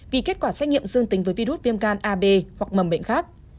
vì kết quả xét nghiệm dương tính với virus viêm gan ab hoặc mầm bệnh khác